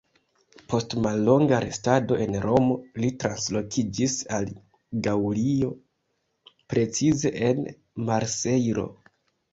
Post mallonga restado en Romo, li translokiĝis al Gaŭlio, precize en Marsejlo.